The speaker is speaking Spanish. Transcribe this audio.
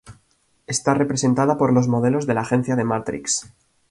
Está representada por los modelos de la agencia de Matrix.